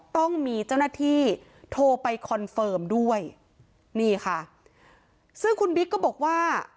ต้องมีเจ้าหน้าที่โทรไปคอนเฟิร์มด้วยนี่ค่ะซึ่งคุณบิ๊กก็บอกว่า